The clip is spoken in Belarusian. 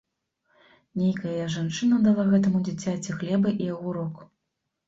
Нейкая жанчына дала гэтаму дзіцяці хлеба і агурок.